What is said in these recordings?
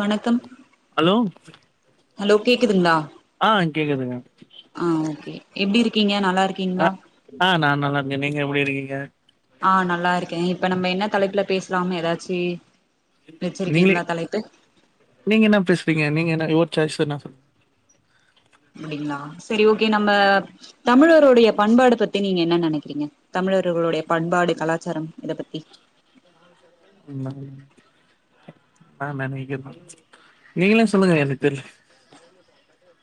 வணக்கம் hello hello கேக்குதுங்களா ஆஹ் கேக்குதுங்க ஆஹ் ஓகே எப்டி இருக்கீங்க நா அஹ் ஆஹ் நா நல்லா இருக்கே நீங்க எப்டி இருக்கீங்க க ஆஹ் நல்லா இருக்க இப்ப நம்ம என்ன தலைப்ல பேசலாமனு ஏதாச்சி நீங்களே நீங்க என்ன பேசறீங்க நீங்க என்ன ஓ சாய்ஸ் சொனா சார் அப்டிங்களா சரி ஓகே நம்ம தமிழருடைய பண்பாடு பத்தி நீங்க என்ன நினைக்கிறீங்க தமிழர்களுடைய பண்பாடு கலாச்சாரம் இத பத்தி உம் [unintelligible] நீங்கலே சொல்லுங்க எனக் தெரியல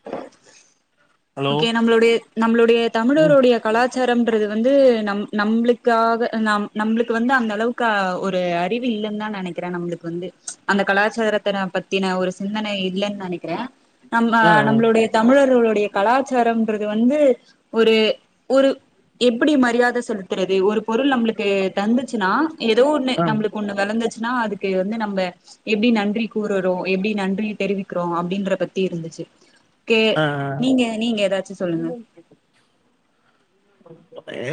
ஆஹ [inaudible] ஓகே நம்மளுடைய நம்மளுடைய ம் தமிழருடைய கலாச்சார டம்ரது வந்து நம்ப நம்பளுக்காக நம்பளுக்கு வந்து அந்த அளவுக்கு ஒரு அறிவு இல்லைன்னு தா நினைக்கிற நம்பளுக்கு வந்து அந்த கலாச்சாரத்த பத்தி த்தி ஒரு சிந்தனை இல்லைன்னு நினைக்கிற ஆ நம்ப ஆ நம்மளுடைய தமிழர்களோட நம்முடையா கலாச்சாரம்ன்றது வந்து ஒரு ஒரு எப்படி மரியாத செலுத்துறது ஒரு பொருள் நம்மளுக்கு தந்துச்சுன்னா ஏதோ ஒண்ணு ஆம். நம்மளுக்கு ஒண்ணு விளந்தச்சு நா அதுக்கு வந்து நம்ம எப்படி நன்றி கூறுறோ எப்படி நன்றி தெரிவிக்கிறோ அப்படின்ற பத்தி இருந்துச்சு கே ஆ ஆ நீங்க நீங்க ஏதாச்சு சொல்லுங்க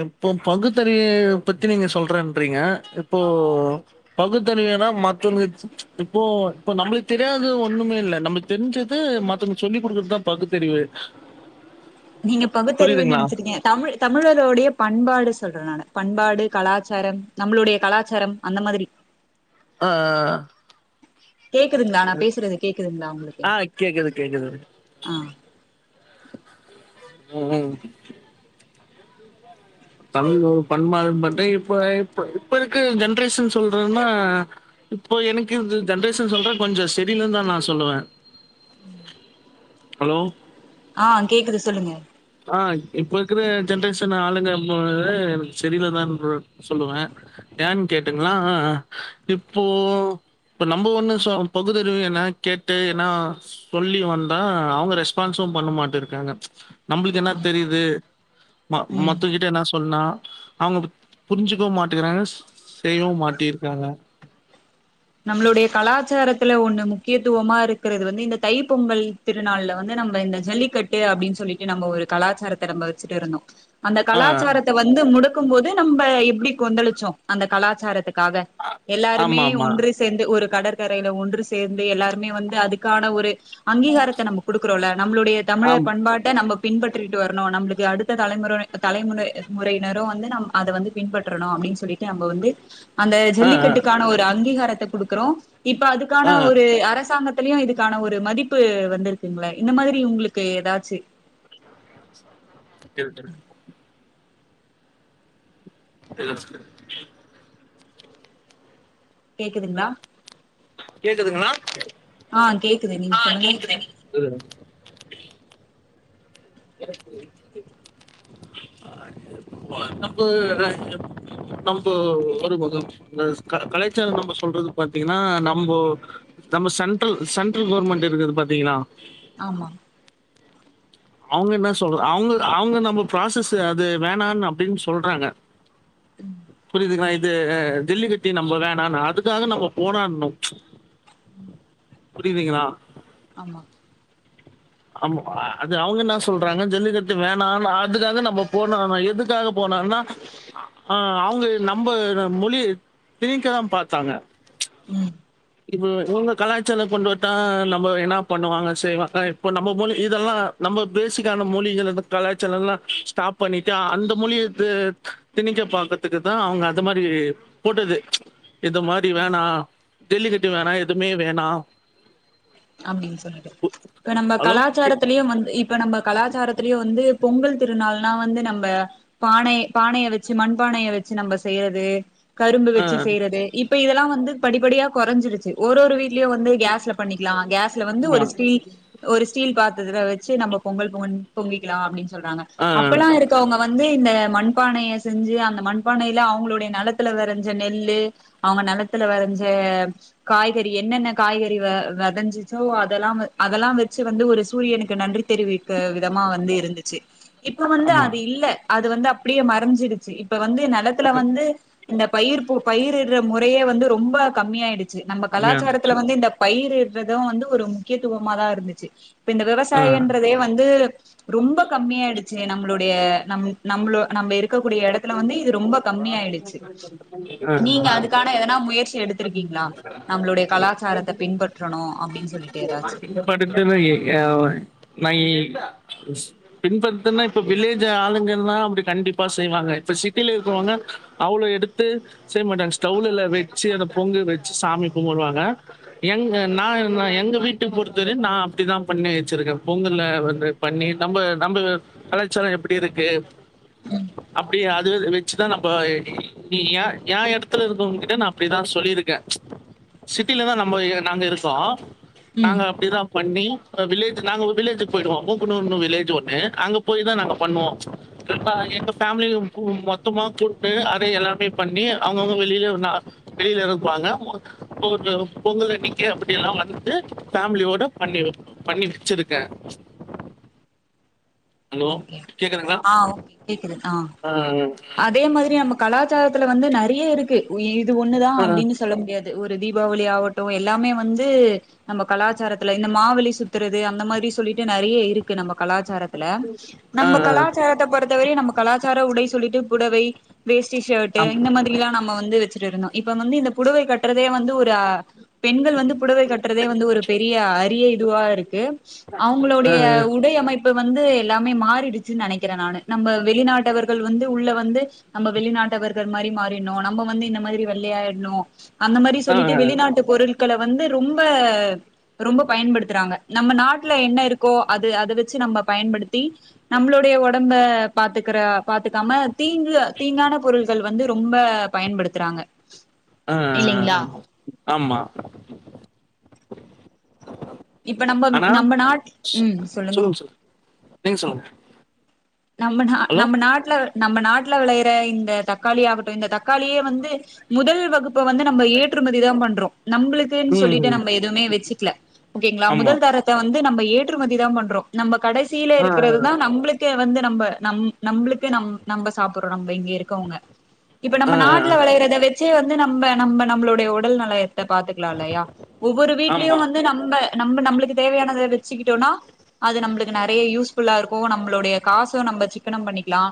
இப்போ பகுத்தறிவ பத்தி நீங்க சொல்றேன்றீங்க இப்போ பகுத்தறிவனா மத்தவங்க இப்போ இப்ப நம்மளுக்கு தெரியாது ஒண்ணுமே இல் நம்ம தெரிஞ்சது மத்தவங்க சொல்லி் கொடுக்கறதுதா பகுத்தறிவு நீங்க பகுத்தறிவுன்னனு புரியுதுங்களா நினைச்சிருக்கீங்க தமிழ் தமிழருடைய பண்பாடு சொல்றேன் நான் பண்பாடு கலாச்சாரம் நம்மளுடைய கலாச்சாரம் அந்த மாதிரி ஆ கேக்குதுங்களா நா பேசுறது கேக்குதுங்களா உங்களுக்கு ஆ ஆ ஆஹ் உம் தமிழ் ஒரு பண்பா பா இப்ப இப்ப இப்ப இருக்கு ஜென்ரேஷன் சொல்றன்னா இப்போ எனக்கு இந்த ஜென்ரேஷன் சொல்ற கொஞ்சோ செரி இல்லனு தா நா சொல்லுவ ஹலோ ஆஹ் கேக்குது சொல்லுங்க ஆஹ் இப்போ இருக்கிற ஜென்ரேஷன் ஆளுங்கக்கு சரியலதா சொல்லுவ ஏன் கேட்டுங்களா இப்போ இப்ப நம்ம ஒண்ணு பகுதறிவு என்ன கேட்டு என்ன சொல்லி வந்தா அவங்க ரெஸ்பான்ஸம் பண்ண மாட்ட இருக்காங்க நம்மளுக்கு என்ன தெரியுது ம ம் மொத்த கிட்ட என்ன சொன்னா அவங்க புரிஞ்சுக்க மாட்டிக்கிறாங்க செ செய்யவு மாட்டிருக்காங்க நம்மளுடைய கலாச்சாரத்துல ஒண்ணு முக்கியத்துவமா இருக்கிறது வந்து இந்த தைப் பொங்கல் திருநாள்ல வந்து நம்ம இந்த ஜல்லிக்கட்டு அப்படின்னு சொல்லிட்டு நம்ம ஒரு கலாச்சாரத்த நம்ம வச்சுட்டு இருந்தோ அந்த ஆ. கலாச்சாரத்த வந்து முடுக் இருக்கு போது நம்ம எப்டி கொந்தளிச்சோ அந்த கலாச்சாரதுக்கு காக எல்லாருமே ஆமாமா. ஒன்று சேந்து ஒரு கடற்கரையில ஒன்று சேர்ந்து எல்லாருமே வந்து அதுக்கான ஒரு அங்கீகாரத நம்ம கொடுக்குறோல நம்மளுடைய தமிழர் ஆம். பண்பாட்ட நம்ம பின்பற்றிட்டு வரணு நம்ளுக்கு அடுத்த தலைமுறை தலைமுறை முறையினரு வந்து நம் அதை வந்து பின்பற்றணு அப்டின்னு சொல்லிட்டு நம்ம வந்து அந்த ஆ, ஆ, ஜல்லிகட்டுக்கான ஒரு அங்கீகாரத கொடுக்குறோ இப்ப ஆ. அதுக்கான ஒரு அரசாங்க த்துல இதுக்கான ஒரு மதிப்பு வந்துருகுங்கள இந்த மாதிரி உங்களுக்கு ஏதாச்சு எஸ் கேக்குதுங்ளா கேக்குதுங்ள ஆஹ் கேக்குது நீங்க சொல்லுங்க ம். நம்ப நம்போ ஒரு மொகம் கலைச்சார நம்ப சொல்றது பாத்தீங்கன்னா நம்போ நம்ம சென்ட்ரல் சென்ட்ரல் கவர்மெண்ட் இருக்குது பாத்தீங்கள ஆமா அவுங்க என்ன சொல்ற அவுங்க அவுங்க நம்ம ப்ராசஸ்சு அது வேணான்னு அப்டின்னு சொல்றாங்க புரிதுங்களா து தில்லிகட்டி நம்ம ணா ன அதுக்காக நம்ம போரானோ உம் புரிதுங்களா ஆமா ஆமா அது அவுங்க என்ன சொல்றாங்க ஜல்லிக்கட்டு வேணான்னு அதுக்காக நம்ம போனனு எதுக்காக போனான்னா ஆஹ் அவுங்க நம்ம மொழி திணிக்க பாத்தாங்க உம் இப்ப இவுங்க கலாச்சல கொண்டு வட்டா நம்ம என்ன பண்ணுவாங்க செய் வாங்க இப்போ நம்ம மொழி இதெல்லா நம்ம பேசிக்கான மொழிகள கலாச்சல எல்லா ஸ்டாப் பண்ணிட்டு அந்த மொழிய தி திணிக்க பாக்றதுக்குதா அவுங்க அந்த மாதிரி போட்டது இது மாதிரி வேணா டெல்லிக்கட்டு வேணா எதுமே வேணா அப்டின்னு சொல்லுது இப்ப நம்ம ஹலோ? கலாச்சாரத்திலியு வந்து இப்ப நம்ம கலாச்சாரத்திலே வந்து பொங்கல் திருநாள்னா வந்து நம்ம பானய் பானய வச்சு மண்பானய வச்சு நம்ம செய்றது கரும்பு ஆ. வச்சு செய்றது இப்ப இதெல்லா வந்து படிபடியா கொறஞ்சிருச்சு ஒரு ஒரு வீ ட்லே வந்து கேஸ்ல பண்ணி நா கேஸ்ல வந்து ஆமா. ஒரு ஸ்டீல் ஒரு ஸ்டீல் பாத்ததுல வச்சு நம்ம பொங்கல் பொங் பொங்கிலா அப்டின் சொல்றாங்க ஆ. அப்பல்லா இருக்கவங்க வந்து இந்த மண்பானைய செஞ்சு அந்த மண்பானையில அவுங்ளோடிய நெலத்துல வெளஞ்ச நெல்லு அவுங்க நெலத்துல வெளஞ்ச காய்கறி என்னென்ன காய்கறி வெ வெளஞ்சிச்சோ அதெல்லா அதெல்லா வெச்சு வந்து ஒரு சூரியனுக்கு நன்றி தெரிவிக்க விதமா வந்து இருந்துச்சு இப்ப வந்து ஆமா. அது இல்ல அது வந்து அப்டியே மறைஞ்சிடுச்சு இப்ப வந்து நெலத்துல வந்து இந்த பயிர் பயிரிடுற முறையே வந்து ரொம்ப கம்மியாயிடுச் நம்ம கம்மியா இருந்துச்சு. கலாச்சாரத்துல வந்து இந்த பயிர் த வந்து ஒரு முக்கியத்துவமாதா இருந்துச்சு இப்ப இந்த ஆ. விவசாயன்றதே வந்து ரொம்ப கம்மியாயிடுச்சு நம்ளுடைய நம் நம்மளு நம்ம இருக் இருக்கக்கூடிய இடத்துல வந்து இது ரொம்ப கம்மமியிடுச்சு. ஆ. நீங்க அதுக்கான எதனா முயற்சி எடுத்திருக்கிங்களா? நம்மளுடைய கலாச்சாரத்த பின்பற் [unintelligible] மை [inaudible] பின்பத்துனா இப்ப வில்லேஜ் ஆளுங்கலா அப்டி கண்டிப்பா செய்வாங்க. இப்ப சிட்டியிலயிருக்கவுங்க, அவ்ளவு எடுத்து செய் மாட்டாங்க. ஸ்டவ்லல வெச்சு அத பொங்க வெச்சு சாமி கும்புடுவாங்க. எங்க நா ன் எங்க வீட்டு பொறுத்தவரைையும் நான் அப்படிதா பண்ணி வெச்சிருக்கே. பொங்கல்ல அ பண்ணி நம்ம நம்பல் கலாச்சாரோ எப்படி இருக்கு. அப்டி அதுவே வெ வெச்சு தா நம்ப நீ ஏ-ஏன் எடத்துல இருக்கவுங்க கிட்ட நா அப்படிதா சொல்லியிருக்கே. சிட்டிலதா நம்ம நாங்க இருக்கோ ம் நாங்க அப்டிதா பண்ணி- வில்லேஜ் நாங்க வில்லேஜுக்கு போயிடுவோ பூப்பனூர்னு வில்லேஜ் ஒண்ணு, அங்க போய் தா நாங்க பண்ணுவோ ச் அ எங்க ஃபேமிலி மு மொத்தமா கூப்ட்டு அத எல்லாமே பண்ணி அவுங்கவுங்க வெளில நா வெளில இருப்பாங்க போட்டு பொங்கல் அன்னிக்கே அப்டிலா வந்து ஃபேமிலியோட பண்ணி பண்ணி வெச்சிருக்க. ஆ ஓகே கேக்குது ஆ அதே மாதிரி நம்ம கலாச்சாரத்துல வந்து நறீய இருக்கு. இது ஒண்ணுதா ஆ, அப்டீனு சொல்ல முடியாது. ஒரு தீபாவளி ஆவட்டோ எல்லாமே வந்து, நம்ம கலாச்சாரத்துல இந்த மாவெலி சுத்துறது அந்த மாதிரி சொல்லிட்டு நறைய இருக்கு நம்ம கலாச்சாரத்துல. ஆ, ஆ, நம்ம கலாச்சாரத்த பொறுத்த இதுவே நம்ம கலாச்சார உடை சொல்லிட்டு புடவை வேஸ்டிஷர்ட்டு ஆமா. இந்த மாதிரிலா நம்ம வந்து வெச்சுட்டுருந்தோ. இப்ப வந்து இந்த புடவை கட்ற இதே வந்து ஒரு, பெண்கள் வந்து புடவை கட்டுரதே வந்து ஒரு பெரிய அரிய இதுவா இருக்கு ஆ, அவுங்களோடைய உடை அமைப் இப்ப வந்து எல்லாமே மாறிடுச்சு நினைக்கிறேன் நானு நம்ம வெளிநாட்டவர்கள் வந்து உள்ள வந்து நம்ம வெளிநாட்டவர்கள் மாதிரி மாறினும், நம்ம வந்து இந்த மாதிரி வெள்ளையாிடணும் அந்த மாதிரி ஆ, சொல்லிட்டு வெளிநாட்டு பொருள் வந்து ரொம்ப ரொம்ப பயன்படுத்துறாங்க. நம்ம நாட்டுல என்ன இருக்கோ அது அத வெச்சு நம்ம பயன்படுத்தி டீப் நம்மளுோடைய ஒடம்ப பாத்துக்குற பாத்துக்காம தீங்கு அ தீங்கான பொருள்கள் வந்து ரொம்ப பயன்படுத்துறாங்க. அ அ அ இல்லைங்களா அ ஆம்மா இப்ப நம்ப ம் நம்ப நாட் உம் சொல்லுங்க நீங்க சொல்லுங்க நம்ப நா ஹலோ நம்ப நாட்ல நம்ப நாட்ல விளையிற இந்த தக்காளி ஆகட்டும் இந்த தக்காளியே வந்து முதல் வகுப் இப்ப வந்து நம்ம ஏற்றுமதி தான் பண்றோம் நம்ளுக்கு சொல்லிட்டு ம் நம்ம எதுவுமே வெச்சுக்கல ஓகேங்லா ஆமா முதல் தாரத்த வந் ந்து நம்ப ஏற்றுமதி தா பண்றோம் நம்ப கடைசியில ஆ இருக்கிறது தா நம்ளுக்கே நம்ப நம் நம்மளுக்கு நம் நம்ப சாப்புட்றோ அவுங்க இங்க இருக்கவுங்க இப்ப ஆ நம்ப ஆ நாட்ல ஆ வெளையறத வச்சே வந் ந்து நம்ப நம்ம நம்ளுடைய உடல் நல ப பாத்துக்கலா இல்லயா ஒவ்வொரு வீட்லியூ ஆமா வந்து நம்ப நம் நம்ள் க்கு தேவையானத வச்சுக்கிட்டோனா அது நம்ளுக்கு நறைய யூஸ்ஃபுல்லா இருக்கோ நம்ளுடைய காசூ நம்ப சிக்கனம் பண்ணிக்லா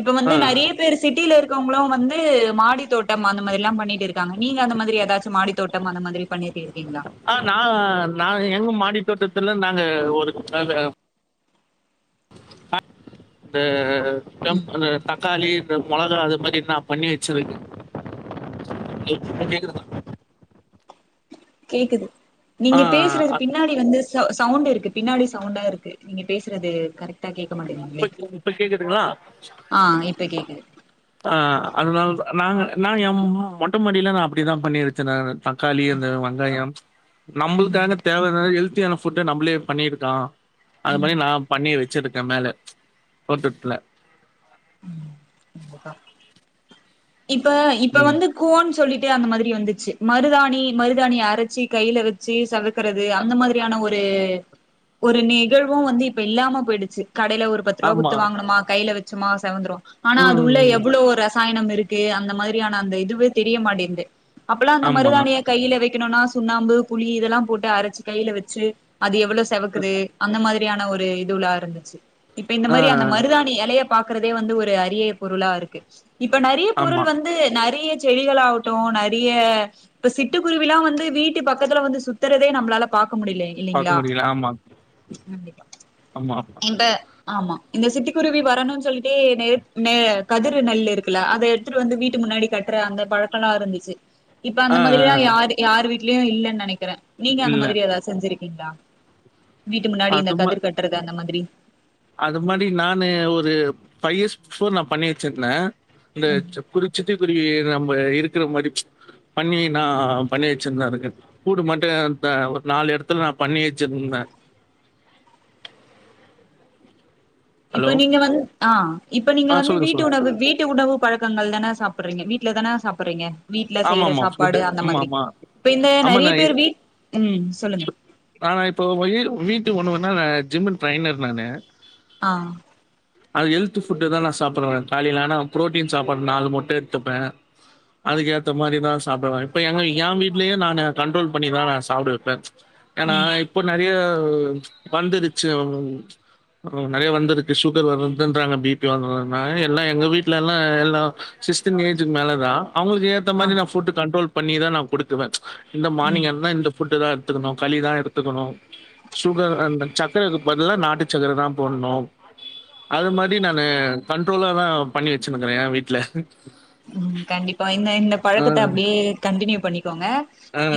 இப்ப ஆ வந்து நறைய பேர் சிட்டிலருக் யுங்களும் வந்து மாடி தோட்டம் அந்த மாரிலா பண்ணிட்டு இருக்காங்க நீங்க அந்த மாதிரி ஏதாச்சு மாடி தோட்டம் அந்த மாதிரி பண்ணிர் ஆ நா நா எங்க மாடி தோட்டத்துல நாங்க ஒரு அந்த அ த அ டம் ம் அந்த தக்காளி டம் மொளகா அது மாரி நா பண்ணி வச்சிருக்கே கேக்குதுங்களா கேக்குது ஆ நீங்க பேசுறது அ பின்னாடி வந்து ஸ் சவு சவுண்ட் இருக்கு பின்னாடி சவுண்டாருக்கு நீங்க பேசுறது கரெக்ட் ட்டா கேட்க இப்ப மாட்டுங்குதுலே இப்ப கேக்குதுங்களா ஆ இப்ப கேக்குது ஆ அதுனால்தா நா நாங்க நா எம் மொட்டைமாடியில நா அப்டி தா பண்ணி வெச்ச நா தக்காளி அந்த வங்காயம் ம் நம்ளுக்காக தேவயானது எல் தேவன ஃபுட்ட நம்மளே பண்ணியிருக்கா அது ம் மாரி நா பண்ணிவச் ச்சிருக்க மேல போட்டுட்ல ம் உங்கதா இப்ப இப்ப ம் வந்து கோன் சொல்லிட் அந்த மாதிரி வந்துச்சு மருதாணி மருதாணி அரச்சு கைல வெச்சு செவக் க்கிறது அந்த மாரியான ஒரு ஒரு நெகழ்வூ வந்து இப்ப இல்லாம போயிடுச்சு கடைல ஒரு பத்து ரூவா ஆமா குத்து வாங்கணுமா கைல வச்சுக் து மாஸ் செவந்துறோ ஆனா அது உள்ள ம் எவ்ளோ ரஸ் சாயனம் இருக்கு அந்த மாதிரியான அந்த இதுவே தெரிய மாட்டேந்து அப்பல்லா அந்த ஆமா மருதாணிய கையில வெக்கிணோன்னா சுண்ணாம்பு புளி இதெல்லாம் போட்டு அரைச்சு கையில வச்சு அது எவ்வளவு செவக்குது அந்த மாரி ரியான ஒரு இதுலா இருந்துச்சு இப்ப இந்த ஆ மாரி அந்த மருதாணி எலையப் க்குறதே வந்து ஒரு அரிய பொருளாருக்கு. இப்ப நறைய பொருள் ஆமா வந்து நறைய செடிகலாவட்டும் நறிய இப்ப சிட்டுக்குருவில்லாம் வந்து வீட்டு பக்கத்துல வந்து சுத்தறதே நம்ளால பாக் க்க முடில இல்லிங்ளா அமா ஆமா ஆமா இந்த சிட்டுக்குருவி வரணு சொல்லி டே நெர் நெ கதிரு நெல்லு இருக்குல அத எடுத்துட்டு வந்து வீட்டு முன்னாடி கட்ற அந்த பழக்கலா இருந்துச்சு இப்ப ஆ அந்த ஆ மாதிரிலா ஆ. யாரு யாரு வீ லீவு இல்ல நெனைக்கிறே நீங்க அந்த இல்ல மாதிரி எதாவது செஞ்சிரு இத்தா வீட்டு முன்னாடி இந்த அது மா கதிர் கட்றது அந்த மாதிரி அது மாரி நானு ஒரு ஃபைவ் இயர்ஸ் பிஃபோர் நா பண்ணி வெச்சிருந்தே இந்த ம் ச்சு குறிச்சுட்டு ப் ப்டியே நம்ப இருக்குற மாரி பண்ணி நா பண்ணி வச்சிருந்தே அதுக்குன்னு, கூடு மாட்டேன் தா ஒரு நாலு எடத்துல நா பண்ணி வெச்சிருந்தேன் இப்ப நீங்க வந்து ஆ இப்ப நீங்க ஆ வந்து சொல்லுங்க, வீட்டு சொல்லுங்க. உணவு, வீட்டு உணவு பழக்கங்கள் தானே சாப் ப்புட்றீங்க வீட்ல தான சாப்புட்றீங்க ஆமா, ஆமா ஃபுட்டு ஆமா, ஆமா, இப்ப இந்த ஆமா ந நெறைய பேர் வீட் ம் சொல்லுங்க செரி நா இப்ப வீடு வீட்டு உணவ வ நா ஜிம்மின் ட்ரைனர் நானு ஆ அது ஹெல்த்து ஃபுட்டு தான் நா சாப்பறவேன் காலையில ஆனா ப்ரோட்டீன் சாப்பாடு நாலு மொட்டு எடுத்துப்பேன் அதுக்கு ஏற்ற இந்த மாதிரிதான் சாப்பிடுவேன் இப்ப எங்க ஏம் வீட்லயும் நான் கண்ட்ரோல் பண்ணித்தா நா சாப்ட வப்பேன் ம்ச் ஏன்னா ம் இப்போ நிறைய இப்போ ம்ச் வந்துருச்சு உம் நிறைய வந்துருக்கு சுகர் வருதுன்றாங்க பிபி வருதுங் எல்ல எங்க வீட்டுல எல்லாம் சிக்ஸ்டி ஏஜுக்கு மேல தான் அவங்களுக்கு இந்த ஆ மாதிரிதான் ஃபுட் கண்ட்ரோல் பண்ணிதான் நா கொடுக்குவேன் ம்ச் இந்த ம் மார்னிங்கா இருந்தா இந்த ஃபுட்டு தான் எடுத்துக்கணும் களிதான் எடுத்துக்கணும் சுகர் அந்த சக்கரைக்கு பதிலா நாட்டு சக்கரை தான் போடணும் அது மாதிரி நானு கண்ட்ரோலா தான் பண்ணி வச்சுன்னுக்கிறேன் என் வீட்டுல உம் கண்டிப்ப இந்த இந்த பழக்கத்த அப்டியே கண்டினியூ பன்னிகோங்க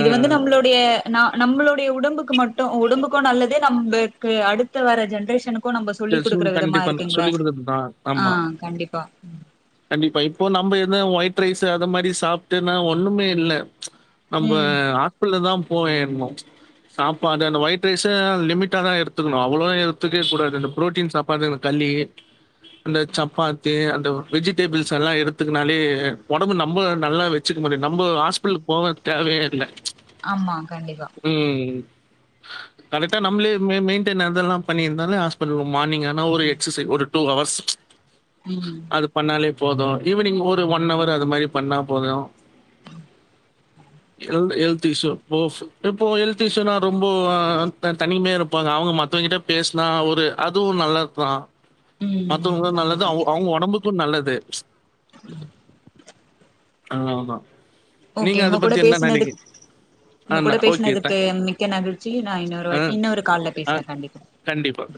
இது வந்து நம்ளுடைய ந நம்ளுடைய உடம்புக்கு மட்டு உடம்புக்கு நல்லது நம்பக்கு அடுத்த வர ஜென்ரேஷனு இப்போ நம்ம சொல்லி் டெல்சூன் கொடுக்குற விதமா கண்டிப்பா. நான் இருக்குங்களே சொல்லிக் குடுக்குறது தான். ஆமா. ஆஹ் கண்டிப்பா கண்டிப்பா. இப்போ நம்ம எத ஒயிட் ரைஸு அத மாரி சாப்பட்டுன்னா ஒண்ணமே இல்லே நம்ம ம் ஹாஸ்பிடல்ல தான் போ ஏறணு சாப்பாடு அந்த ஒயிட் ரைஸு லிமிட்டா தான் எடுத்துக்கணு அவ்ளோ எடுத்துக்கவே கூடாது இந்த புரோட்டீன் சாப்பாடு இந்த கல்லையி அந்த சப்பாத்தி அந்த வெஜிடேபிள்ஸ் எல்லா எடுத்துக்குனாலே ஒடம்பு நம்ப நல்லா வச்சுக்க முடியு நம்ப ஹாஸ்பிலுக்கு போவ தேவயே இல்ல ஆமா கண்டிப்பா கரெக்டா நம்பளே மெ மெயிண்டன் அதெல்லா பண்ணிருந்தாலே ஹாஸ் பிட்டலு மார்னிங் ஆனா ஒரு ம் எக்ஸசை ஒரு டூ ஹவர்ஸ் ம் அது பண்ணாலே போது ஈவினிங் ஒரு ஒன் ஹவர் அது மாரி பண்ணா போது ஹெல்த் ஹெல்த் இஸ்யூ போஸ் இப்போ ஹெல்த் இஸ்யூனா ரொம்போ தனி தனிமயா இருப்பாங்க அவங்க மத்தவங்கிட்ட பேசினா ஒரு அதுவு நல்லதுதா ம் மத்தவங்களு நல்லது கண்டிப்பா அவு அவுங்க ஒடம்பு க்கு நல்லது ஆமா ஓகே உங்க கூட பேசனதுக் உங்க கூட ஆ ஓகே. பேசனதுக்கு தேங்க் மிக்க நகிழ்ச்சி நா இன்னொரு ஆ வாட்டி இன்னொரு கால்ல ஆ பேசுறே கண்டிப்பா கண்டிப்பா.